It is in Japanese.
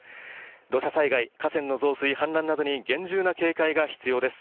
土砂災害、河川の増水、氾濫などに厳重な警戒が必要です。